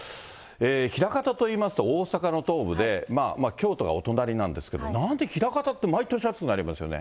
枚方といいますと大阪の東部で、まあ、京都がお隣なんですけど、なんで枚方って、毎年暑くなりますよね。